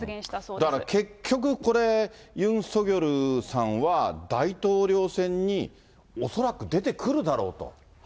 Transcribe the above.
だから結局これ、ユン・ソギョルさんは大統領選に恐らく出てくるだろうと。